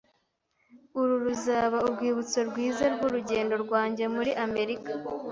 Uru ruzaba urwibutso rwiza rwurugendo rwanjye muri Amerika.